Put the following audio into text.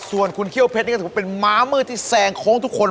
ส่วนคุณเข้อเผชนี่ก็จะเหมือนเป็นม้าเมือที่แสงคลงทุกคน